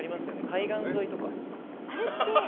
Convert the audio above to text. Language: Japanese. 海岸沿いとか。